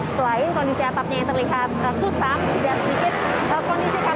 selain kondisi atapnya yang terlihat susam tidak sedikit